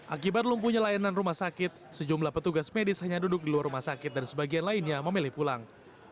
akibat lumpuhnya layanan rumah sakit sejumlah petugas medis hanya duduk di luar rumah sakit dan sebagian lainnya memilih pulang